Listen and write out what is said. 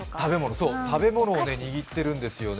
そう、食べ物を握っているんですよね。